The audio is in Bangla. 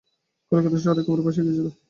কলিকাতা শহর একেবারে ভাসিয়া গিয়াছিল।